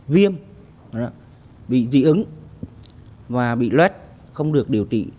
viêm bị dị ứng và bị lét không được điều trị